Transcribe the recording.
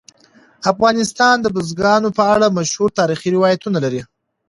افغانستان د بزګانو په اړه مشهور تاریخی روایتونه لري.